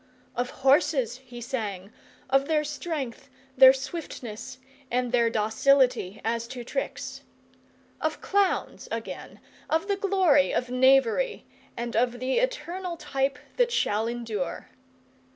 Of horses he sang, of their strength, their swiftness, and their docility as to tricks. Of clowns again, of the glory of knavery, and of the eternal type that shall endure.